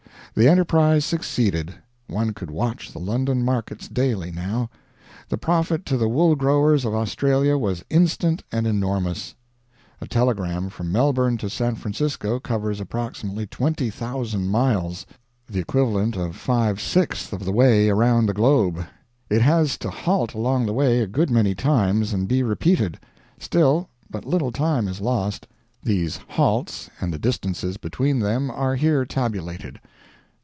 The enterprise succeeded. One could watch the London markets daily, now; the profit to the wool growers of Australia was instant and enormous. A telegram from Melbourne to San Francisco covers approximately 20,000 miles the equivalent of five sixths of the way around the globe. It has to halt along the way a good many times and be repeated; still, but little time is lost. These halts, and the distances between them, are here tabulated.